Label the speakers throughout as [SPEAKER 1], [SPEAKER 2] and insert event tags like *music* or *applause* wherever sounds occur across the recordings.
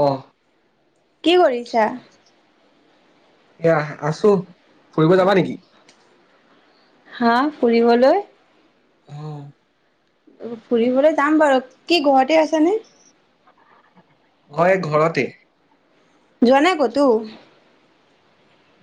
[SPEAKER 1] অ।
[SPEAKER 2] কি কৰিছাঁ।
[SPEAKER 1] এয়া আছো ফুৰিব যাবা নেকি?
[SPEAKER 2] হা ফুৰিবলৈ
[SPEAKER 1] অ
[SPEAKER 2] ফুৰিবলৈ যাম বাৰু কি গুৱাহাটীত‌ আছ নে?
[SPEAKER 1] হয় ঘৰতে।
[SPEAKER 2] যোৱা নাই ক'তো?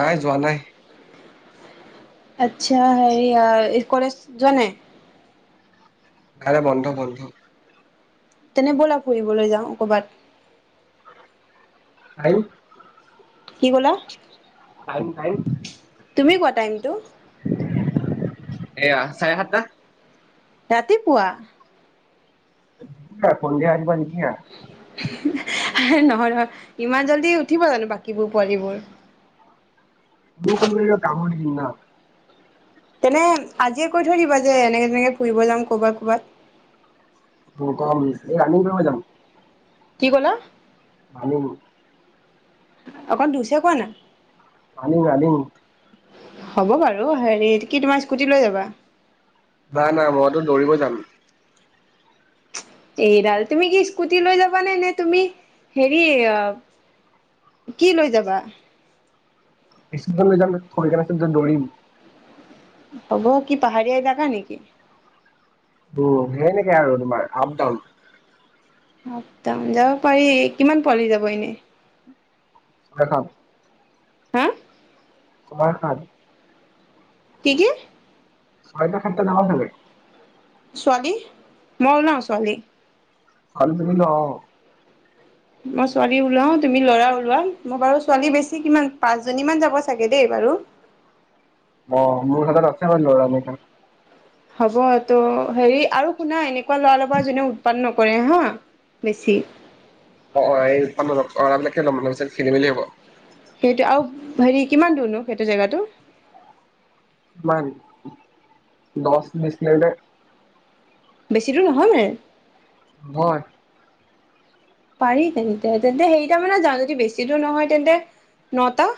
[SPEAKER 1] নাই যোৱা নাই।
[SPEAKER 2] আচ্ছা হেৰি কলেজ জোৱা নাই?
[SPEAKER 1] কাইলৈ বন্ধ, বন্ধ।
[SPEAKER 2] তেনে ব'লা ফুৰিবলৈ যাওঁ কৰবাত
[SPEAKER 1] পাৰি।
[SPEAKER 2] কি ক'লা?
[SPEAKER 1] টাইম‌। ‌ টাইম।
[SPEAKER 2] তুমি কোৱা টাইমটো
[SPEAKER 1] এয়া চাৰে সাতটা।
[SPEAKER 2] ৰাতিপুৱা।
[SPEAKER 1] সন্ধিয়া অহিবানেকি ন
[SPEAKER 2] নহয় নহয় ইমান জল্দি উঠিব জানো বাকীবোৰ পোৱালীবোৰ
[SPEAKER 1] বক ন কাম ন ওম না
[SPEAKER 2] তেনে আজিয়ে কৈ থৈ দিবা যে এনেকে তেনেকে ফুৰিব যাম কৰ'বাত ক'বাত
[SPEAKER 1] আমি কৰপৰা যাম।
[SPEAKER 2] কি কলা,
[SPEAKER 1] ভ *unintelligible*
[SPEAKER 2] অকণ দিছে কোৱা না
[SPEAKER 1] আনিম আনিম
[SPEAKER 2] হ'ব বাৰু হেৰি কি তোমাৰ স্কুটি লৈ যাবা,
[SPEAKER 1] ন না মইতো দৌৰিব যাম।
[SPEAKER 2] এইডাল তুমি কি স্কুটি লৈ যাবানে, নে তুমি হেৰি কি লৈ যাবা?
[SPEAKER 1] স্কূতি লৈ যাম থৰি কিনে দৌৰিম।
[SPEAKER 2] হ'ব কি পাহাৰীয়া এলেকা নেকি?
[SPEAKER 1] উ সেই নেকি আৰু তোমাৰ আপডাউন।
[SPEAKER 2] আপ ডাউন যাব পাৰি, কিমান পোৱালি যাব এনে?
[SPEAKER 1] খাই চাম
[SPEAKER 2] হা
[SPEAKER 1] চমাৰ খান
[SPEAKER 2] কি কি
[SPEAKER 1] ছয়টা খাতটা যাব খালি
[SPEAKER 2] ছোৱালী, মই ওলাওঁ ছোৱালী
[SPEAKER 1] ভাল মিনিল অ
[SPEAKER 2] মই ছোৱালী ওলাও, তুমি ল'ৰা ওলোৱা। মই বাৰু ছোৱালী বেছি কিমান পাঁচ জনীমান যাব চাগে দেই বাৰু।
[SPEAKER 1] অ মোৰ হাতত আছে মানে লৰা এনেকা
[SPEAKER 2] হ'ব তো হেৰি আৰু শুনা এনে। ল'ৰা লবা যোনে উৎপাত কৰে হা বেছি,
[SPEAKER 1] অ অপিছত খেলি মেলি হব *unintelligible*
[SPEAKER 2] সেইটো আৰু হেৰি কিমান দূৰনো সেইটো জেগাটো?
[SPEAKER 1] কিমান? দছ বিছ কিলোমিটাৰ।
[SPEAKER 2] বেছি দূৰ নহয় মানে?
[SPEAKER 1] নহয়
[SPEAKER 2] পাৰি তেন্তে, তেন্তে সেইটা মানে যাওঁ যদি বেছি দূৰ নহয় তেন্তে নটা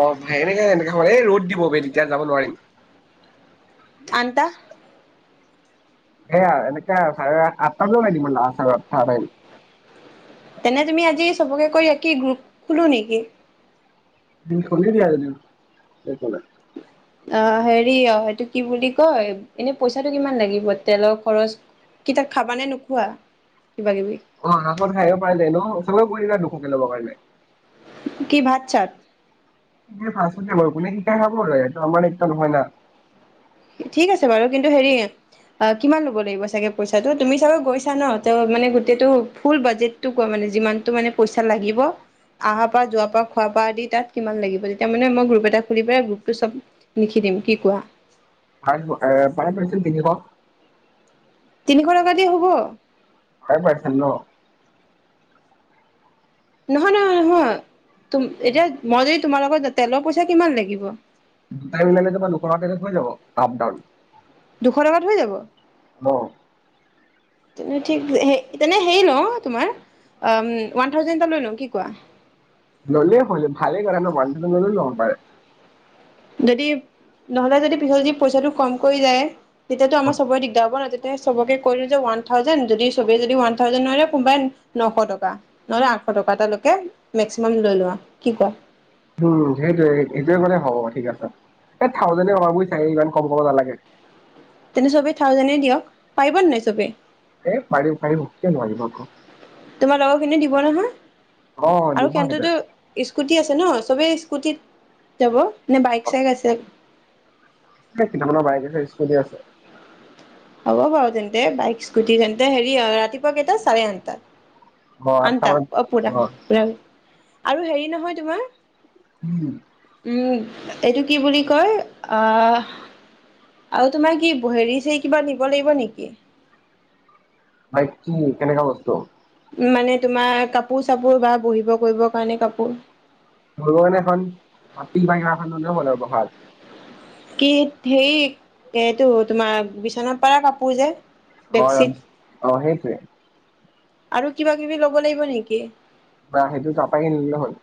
[SPEAKER 1] অ এনেকে এনেকাে মান এই ৰ'দ দিব ব তেতিয়া যাব নোৱাৰিম।
[SPEAKER 2] আন্তা
[SPEAKER 1] এ এনেকে চ আত বজাৰআ চ তাৰ *unintelligible*
[SPEAKER 2] তেনে তুমি আজি সবকে কৈ দিয়া, কি গ্ৰুপ খোলো নেকি?
[SPEAKER 1] নি খক দলে *unintelligible*
[SPEAKER 2] অ হেৰি অ সেইটো কি বুলি কয় এনে পইচাটো কিমান লাগিব, তেলৰ খৰচ কি তাত খাবা নে নোখোৱা? কিবা কিবি
[SPEAKER 1] অ আকত খাইও পাৰিলে ন চবে কৰিা ত *unintelligible* ল'ব লাগিব *unintelligible*
[SPEAKER 2] কি ভাত চাত,
[SPEAKER 1] পচ মই কোনে শিকাই খাব ৰ এইটো আমাৰ একটা নহয় না *unintelligible*
[SPEAKER 2] ঠিক আছে বাৰু। কিন্তু হেৰি কিমান লব লাগিব চাগে পইচাটো তুমি চাগে গৈছা ন, ত ইমান গোটেটো ফুল বাজেটটো কোৱা মানে যিমানটো মানে প‌ইচা লাগিব। আহা পৰা, যোৱা পৰা, খোৱা পৰা আদি তাত কিমান লাগিব? তেতিয়া মানে মই গ্ৰুপ এটা খুলি পেলাই গ্ৰুপটোত চব লিখি দিম কি কোৱা।
[SPEAKER 1] ভ আহ পাৰ পছিল তিনি ক *unintelligible*
[SPEAKER 2] তিনিশ টকা দিওঁ হ'ব?
[SPEAKER 1] তাই পাইছ ন *unintelligible*
[SPEAKER 2] নহয় নহয় নহয়। ত এতিয়া মই যদি, তোমাৰ লগত যে তেলৰ পইচা কিমান লাগিব?
[SPEAKER 1] দুটাই মিলালে যে দুশ টকা হৈ যাব আপ ডাউন।
[SPEAKER 2] দুখ টকাত হৈ যাব?
[SPEAKER 1] অ
[SPEAKER 2] তেনে ঠিক, তেনে সেই ল‌ওঁ তোমাৰ আম ওৱান থাউজেন্দ এটা লৈ ল‌ওঁ কি কোৱা?
[SPEAKER 1] ললেই হ'ল। ভালেই কথা ন ওৱান থাউজেন্দ মানে ল'ব পাৰে।
[SPEAKER 2] যদি নহ'লে যদি পিছত যদি পইচাটো কমকৈ যায়, তেতিয়া তো
[SPEAKER 1] অ
[SPEAKER 2] আমাৰ চাবৰ দিগদাৰ হব ন? তেওঁ চবকে ক'লে যে ওৱান থাউজেন্ড, যদি চবে যদি থাউজেন্ড নোৱাৰে, কোনোবাই নশ টকা, নহলে আঠশ টকা, তেওঁলোকে মেক্সিমাম লৈ লোৱা, কি কোৱা?
[SPEAKER 1] উম, সেইটোৱে-সেইটোৱে হ'লে হ'ব ঠিক আছে, এই থাউজেন্ডনে হ'ব বুজিছা, ইমান কম ক'ব নালাগে?
[SPEAKER 2] তেনে চবে থাউজেন্ডনে দিয়ক, পাৰিব নাই চবেই?
[SPEAKER 1] এই পাৰিব-পাৰিব, কিয় নোৱাৰিব আকৌ।
[SPEAKER 2] তোমাৰ লগৰখিনি দিব নহয়?
[SPEAKER 1] অ'
[SPEAKER 2] আৰু
[SPEAKER 1] দিব সেইটো
[SPEAKER 2] সিহঁতেটো স্কুটি আছে ন চবেই *unintelligible* স্কুটিত যাব? নে বাইক চাইক আছে?
[SPEAKER 1] কেইটামানৰ বাইক আছে, স্কুটি আছে। *unintelligible*
[SPEAKER 2] হ'ব বাৰু তেন্তে, বাইক স্কুটি তেন্তে, হেৰি ৰাতিপুৱা কেইটাত চাৰে আঠটাত?
[SPEAKER 1] অ'
[SPEAKER 2] আঠটা,
[SPEAKER 1] মানত
[SPEAKER 2] *unintelligible* অকে,
[SPEAKER 1] অ'
[SPEAKER 2] বাই-বাই। আৰু হেৰি নহয় তোমাৰ
[SPEAKER 1] উম
[SPEAKER 2] উম, এইটো কি বুলি কয়, আহ আৰু তোমাৰ কি হেৰি-চেৰি কিবা নিব লাগিব নেকি?
[SPEAKER 1] ভাই কি, কেনেকুৱা বস্তু? *unintelligible*
[SPEAKER 2] মানে তোমাৰ, কাপোৰ-চাপোৰ বা বহিব কৰিবৰ কাৰণে কাপোৰ।
[SPEAKER 1] ভগৱানে এখন মাটি বাগিৰা এখন নলেও হলৰ বহাদ *unintelligible*
[SPEAKER 2] কি সেই, এইটো তোমাৰ বিচনাত পাৰা কাপোৰ যে
[SPEAKER 1] *unintelligible*
[SPEAKER 2] বেডশ্বীট
[SPEAKER 1] অ সেইটোৱেই।
[SPEAKER 2] আৰু কিবা-কিবি ল'ব লাগিব নেকি?
[SPEAKER 1] বা সেইটো তাৰপাই কিনি ল'লে হ'ল।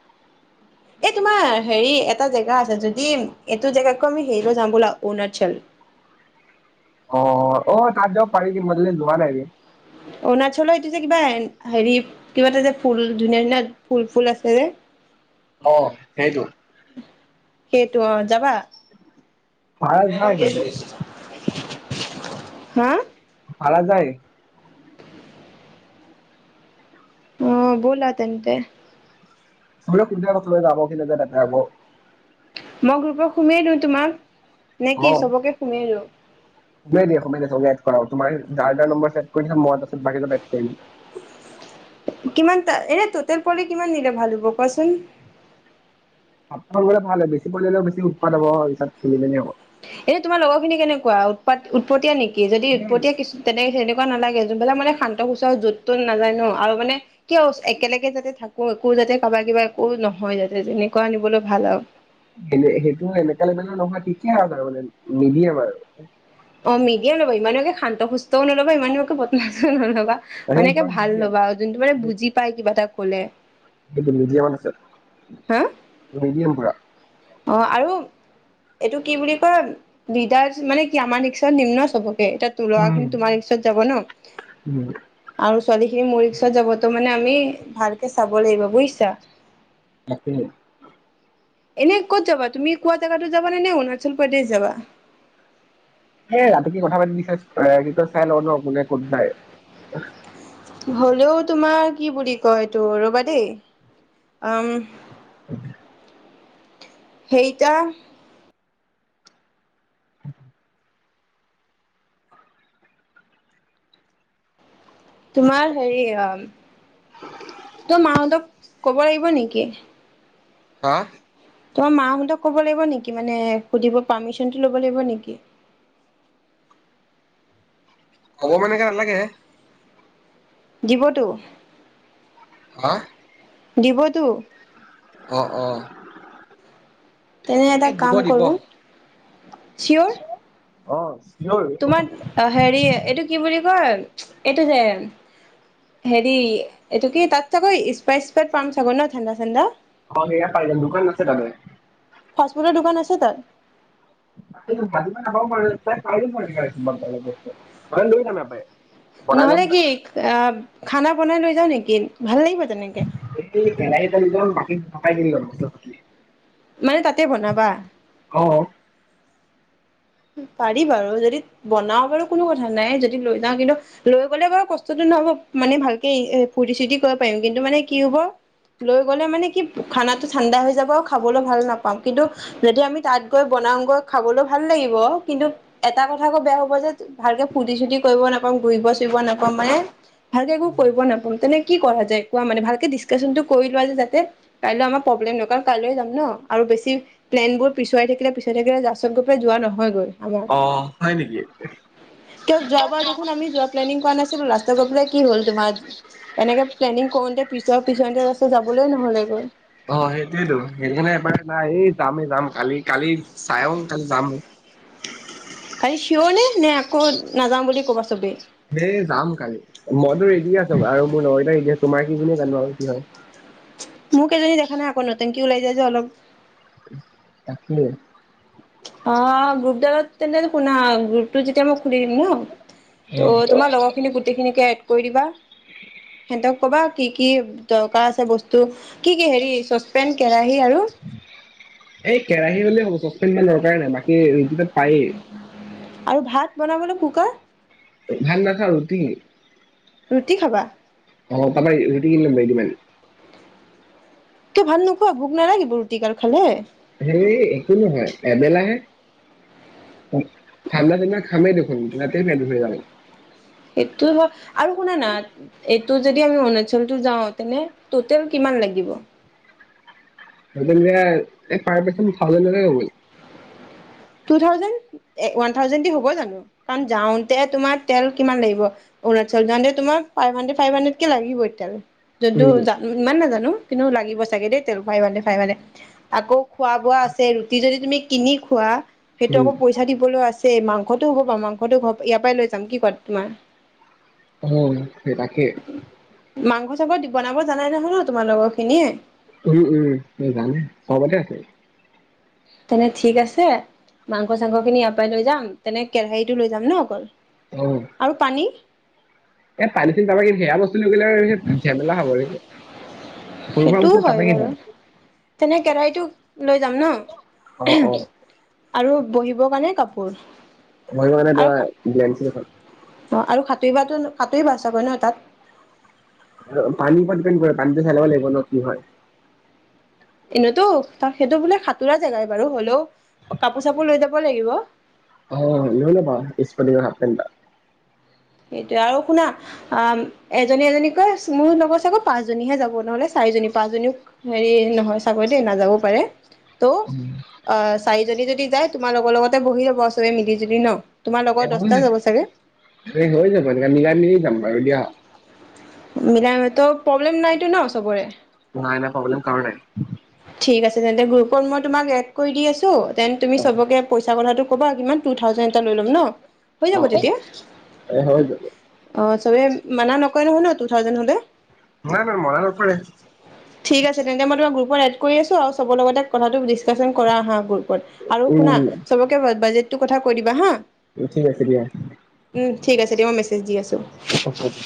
[SPEAKER 2] এ তোমাৰ, হেৰি এটা জেগা আছে, যদি এইটো জেগাতকৈ আমি হেৰি লৈ যাম বলা অৰুণাচল।
[SPEAKER 1] অ-অ, অ, তাত যাব পাৰি কিন্তু মই যোৱা নাই ৰে।
[SPEAKER 2] অৰুণাচলৰ এইটো যে কিবা, হেৰি কিবা এটা যে ফুল ধুনীয়া-ধুনীয়া, ফুল-ফুল আছে যে
[SPEAKER 1] অ, সেইটো।
[SPEAKER 2] সেইটো অ, যাবা?
[SPEAKER 1] ভাড়া নাই কিন্তু *unintelligible*
[SPEAKER 2] হা *unintelligible*
[SPEAKER 1] পাৰা যায় *unintelligible*
[SPEAKER 2] অ, ব'লা তেন্তে।
[SPEAKER 1] চব কু চে যাব কি এতে যাব *unintelligible*
[SPEAKER 2] মই গ্ৰোপত সোমিয়াই দিওঁ তোমাক নে কি
[SPEAKER 1] লম,
[SPEAKER 2] চবকে সুমিয়াই দিওঁ
[SPEAKER 1] দিয়া-দিয়া *unintelligible* অ, তোমাৰ যাৰ-যাৰ নম্বৰ চেভ কৰি দিছে, মই তাৰপাছত বাকী নাম্বাৰ এদ কৰিম।
[SPEAKER 2] কিমান তা, এনে ততেল পোৱালি কিমান দিলে ভাল হ'ব কোৱাচোন?
[SPEAKER 1] কম হ'লে ভাল হয়, বেছি পৰিলেও বেছি উৎপাত হব পিছত খেলি-মেলি হব।
[SPEAKER 2] এনে তোমাৰ লগৰ খিনি কেনেকুৱা? উৎপাত উতপতীয়া নেকি? সি যদি উৎপতীয়া
[SPEAKER 1] সেই
[SPEAKER 2] কিছু তেনে তেনেকুৱা নালাগে, যোনবিলাক মানে শান্ত- সুস্ত আৰু য'ত-তত নাযায় ন, আৰু মানে কিয় একেলগে যাতে থাকো, একো যাতে কাবা- কিবা একো নহয় যাতে, তেনেকুৱা নিবলৈ ভাল আৰু
[SPEAKER 1] নে সেইটো এনেকা লেবেলৰ নহয় ঠিকে আছে, মানে মিডিয়াম।
[SPEAKER 2] অ, মিডিয়াম ল'ব, ইমানকে শান্ত-সুস্থও নলব, ইমানকে বদমাছো নলব।
[SPEAKER 1] সেই
[SPEAKER 2] মানে কে ভাল
[SPEAKER 1] মিডিয়াম
[SPEAKER 2] ল'বা, যোনটো মানে বুজি পাই কিবা এটা ক'লে।
[SPEAKER 1] টো মিডিয়ামত আছে
[SPEAKER 2] হা
[SPEAKER 1] মিডিয়াম পুৰা।
[SPEAKER 2] অ আৰু এইটো কি বুলি কয় দিদাৰ মানে কি আমাৰ ৰিক্সাত নিম ন চব এ তো লৰা
[SPEAKER 1] উম
[SPEAKER 2] খিনি তোমাৰ ৰিক্সত যাব ন?
[SPEAKER 1] উম
[SPEAKER 2] আৰু ছোৱালী খিনি মোৰ ৰিক্সত যাব তো মানে আমি ভালকে চাব লাগিব বুইছা।
[SPEAKER 1] তাকে।
[SPEAKER 2] এনে ক'ত যাবা তুমি কোৱা জেগাতো যাবা নে নে অৰুণাচল প্ৰদেশ যাবা?
[SPEAKER 1] হে ৰাতি কি কথা পাতি কি কয় চাই ল, কোনে ক'ত যায়।
[SPEAKER 2] হ'লেও তোমাৰ কি বুলি কয় এইটো ৰবা দেই, উম
[SPEAKER 1] হয়।
[SPEAKER 2] সেইটা।
[SPEAKER 1] অ
[SPEAKER 2] তোমাৰ হেৰি, অ তোৰ মাহঁতক কব লাগিব নেকি?
[SPEAKER 1] হা?
[SPEAKER 2] তোমাৰ মাহঁতক কব লাগিব নেকি মানে সুধিব পাৰ্মিশ্যনটো লব লাগিব নেকি?
[SPEAKER 1] হ'ব মানেক লাগে *unintelligible*
[SPEAKER 2] দিবটো।
[SPEAKER 1] হা?
[SPEAKER 2] দিবতো?
[SPEAKER 1] অ অ।
[SPEAKER 2] তেনে এটা
[SPEAKER 1] এই দিব
[SPEAKER 2] কাম
[SPEAKER 1] দিব
[SPEAKER 2] কৰো। চিয়ৰ?
[SPEAKER 1] অ। চিয়ৰ
[SPEAKER 2] তোমাৰ অ হেৰি এইটো কি বুলি কয় এইটো যে হেৰি এইটো কি তাত চাগৈ স্পাইট স্পাইট পাম চাগে ন ঠাণ্ডা ঠাণ্ডা।
[SPEAKER 1] অ সেয়া পাই যাম দোকান আছে ততে।
[SPEAKER 2] আ তাত।
[SPEAKER 1] মাজ পাৰে গস লৈ ন ম পায়।
[SPEAKER 2] নহলে কি?? আহ খানা বনাই লৈ যাওঁ নেকি ভাল লাগিব। তেনেকে
[SPEAKER 1] এই কে ন তাল গম। *unintelligible* বাকি তাৰ পাই কিনি লম মচলা পাতি।
[SPEAKER 2] মানে তাতে বনাবা?
[SPEAKER 1] অ
[SPEAKER 2] পাৰি বাৰু যদি বনাও বাৰু কোনো কথা নাই যদি লৈ যাও কিন্তু লৈ গলে বাৰু কষ্টতটো নহব মানে ভালকে ফূুৰ্তি চূুৰ্তি কৰিব পাৰিম কিন্তু মানে কি হ'ব লৈ গলে মানে কি খানাটো ঠাণ্ডা হৈ যাব খাবলৈ ভাল নাপাম কিন্তু যদি আমি তাত গৈ বনাও গৈ খাবলৈ ভাল লাগিব। কিন্তু এটা কথা কৌ বেয়া হব যে ভালকে ফু্তি চুতি কৰিব ন ম ঘূৰিব চুৰিব নাপম মানে। ভালকে একো কৰিব নাপাম তেনেকে কি কৰা যায় কোৱা মানে ভালকে ডিছকাশচন টো কৰি লোৱা যে যাতে কাইলৈ আমাৰ প্ৰব্লেম ন কাৰণ কাইলৈ যাম ন আৰু বেছি প্লেন বোৰ পিছুৱাই থাকিলে পিছুৱ থাকিলে জাচ গ যোৱা নহয় হয় গৈ আমাৰ
[SPEAKER 1] অ হয় নেকি
[SPEAKER 2] কিয় যোৱাবাৰ দেখোন আমি যোৱা প্লানিং কৰা নাছিলো ল। গৈ পেলাই কি হ'ল তোমাৰ এনেকে প্লেনিং কৰোতে পিছৰ পিছ ৰাস্তা যাবলৈ নহলেগৈ।
[SPEAKER 1] অ সেইটোয়েতো সেইকাৰণে এবাৰ নাই এই যামেই যাম কালি কালি চাইওঁ কালি যাম।
[SPEAKER 2] খালি চিঞৰ নে নে আকৌ নাযাওঁ বুলি ক'বা চবেই।
[SPEAKER 1] এই যাম কালি মইতো ৰেডি আছো আৰু মোৰ নগটা ৰেডি আছো। তোমাৰ কিজনে জানো আৰু কি হয়।
[SPEAKER 2] মোক এজনী দেখা নাই আকৌ নতুন কি ওলাই যায় যে অলপ।
[SPEAKER 1] তাকিলে।
[SPEAKER 2] অ গ্ৰুপডত তেন্ত শুনা গ্ৰুপটো যেতিয়া মই খুলি দিম ন। ত
[SPEAKER 1] অ
[SPEAKER 2] তোমাৰ লগৰ খিনি গোটেইখিনি। এড কৰি দিবা সিহঁতক ক'বা কি কি দৰকাৰ আছে বস্তু কি কি হেৰি চচপেন কেৰাহী আৰু।
[SPEAKER 1] এই কেৰাহী হ'লে হ'ব ছচমিন মান দৰ কাৰণে বাকী। পাৰি
[SPEAKER 2] আৰু ভাত বনাবলৈ কুকাৰ
[SPEAKER 1] ভাত নাখাওঁ ৰুতি
[SPEAKER 2] ৰুটি খাবা
[SPEAKER 1] অ তমটিল নদমান
[SPEAKER 2] ত ভাত নোখোৱা ভোক নালাগিব ৰুটিকাল খালে
[SPEAKER 1] হেই একো নহয় এবেলাহে ঠাণ্ডা দিনা খামেই দেখোন তাতে পেত ভৰি যাব
[SPEAKER 2] সেইটো হয় আৰু শুনা না তটো যদি আমি অৰুণাচলটো যাওঁ তেনে টটেল কিমান লাগিব
[SPEAKER 1] পাৰ পাৰ্চ থাউজেন হব
[SPEAKER 2] টু থাউজেন্ট ওৱান থাউজেণ্ড হ'ব জানো কাৰণ যাওঁতে তোমাৰ তেল কিমান লাগিব অৰুণাচল যাওঁতে তোমাৰ ফাইভ হানড্ৰেড ফাইভ হাড্ৰেড কে লাগিবই তেল।। য'ত
[SPEAKER 1] উম
[SPEAKER 2] ইমান নাজানো। কিন্তু লাগিব চাগে দেই তেল ভাই মানে ভাই মানে আকৌ খোৱা বোৱা আছে ৰুটি যদি তুমি কিনি খোৱা। সেইটো
[SPEAKER 1] উম
[SPEAKER 2] আকৌ পইচা দিবলৈ আছে এ মাংসটো হ'ব আৰু মাংসটো হব ইয়াৰ পৰাই লৈ যাম কি ক তোমাৰ
[SPEAKER 1] উ সেই তাকেই
[SPEAKER 2] ত বনাব জানাই নহয় ন তোমাৰ লগৰ খিনিয়ে
[SPEAKER 1] উম উম জানে চবতে আছে।
[SPEAKER 2] তেনে ঠিক আছে মাংস চাংস খিনি ইয়াৰ পৰা লৈ যাম তেনে কেৰাহীটো লৈ যাম ন অকল আৰু পানী
[SPEAKER 1] এ পানিছিল তাৰপৰা কি সেয়া বস্তু লৈ গলে আৰু ঝেমেলা হব নেকি?
[SPEAKER 2] সেইটোও হয় বাৰু তেনে কেৰাহীটো লৈ যাম ন
[SPEAKER 1] আহ অ
[SPEAKER 2] আৰু বহিবৰ কাৰণে কাপোৰ।
[SPEAKER 1] মানে
[SPEAKER 2] আৰু
[SPEAKER 1] তোমাৰ ব্লেঞ্চ দেখন।
[SPEAKER 2] অ, আৰু সাঁতুৰি সতুৰিবা চাগৈ নহয় তাত।
[SPEAKER 1] আৰু পানীৰ ও ডিপেণ্ড কৰে পানীটো চেলাব লাগিব ন কি হয়।
[SPEAKER 2] এনেতো সেইটো বোলে সাঁতোৰা জেগাই বাৰু হ'লেও কাপোৰ চাপোৰ লৈ যাব লাগিব।
[SPEAKER 1] অ, লই লবা ইচপতিং সাফ পেন্ত এটা।
[SPEAKER 2] সেইটোয়ে আৰু শুনা অ এজনী এজনীক মোৰ লগত চাগৌ পাঁচজনীহে যাব নহলে। চাৰিজনী পাঁচজনীক। হেৰি নহয় চাগৈ দেই নাযাবও পাৰে ত' চাৰিজনী যদি যায় তোমাৰ লগৰ লগতে বহি যাব আৰু চবে মিলি জুলি ন। তোমাৰ লগৰ
[SPEAKER 1] এটা
[SPEAKER 2] দহটা যাব চাগে?
[SPEAKER 1] হৈ যাব মিলাই মেলি জাম বাৰু দিয়া।
[SPEAKER 2] মিলাই মেলি তো প্ৰব্লেম নাইতো ন চবৰে।
[SPEAKER 1] নাই নহয় প্ৰাবলেম কাৰো নাই।
[SPEAKER 2] তেনেন্তে গ্ৰুপত মই তোমাক এড কৰি দি আছোঁ। দেন তুমি
[SPEAKER 1] অ
[SPEAKER 2] চবকে পইচা কথাটো। ক'ব কিমান টু থাউজেন এটা লৈ ল'ম ন। হৈ
[SPEAKER 1] অ
[SPEAKER 2] যাব
[SPEAKER 1] অ
[SPEAKER 2] তেতিয়া
[SPEAKER 1] এ হৈ যাব।
[SPEAKER 2] অ চবে মানা নকয় নহয় ন টু থাউজেন হলে।
[SPEAKER 1] নাই নাই মনা নপৰে
[SPEAKER 2] ঠিক আছে তেন্ত মই তোমাক। গ্ৰুপত এড কৰি আছো আৰু চবৰ লগ কথাটো ডিচকাচন কৰা আহা গ্ৰুপ। আৰু শুনা
[SPEAKER 1] উম
[SPEAKER 2] চবকে বাজিত। টো কথা কৈ দিবা হা।
[SPEAKER 1] উঠিক আছে দিয়া।
[SPEAKER 2] উম ঠিক আছে দিয়া মই দি আছোঁ।
[SPEAKER 1] অওকে *unintelligible*